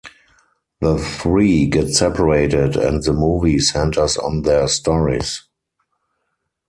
The three get separated and the movie centers on their stories.